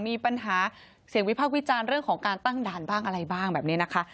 มีปัญหาเสียงวิพากษ์วิจารณ์เรื่องของการตั้งด่านบ้างอะไรบ้างแบบนี้นะคะ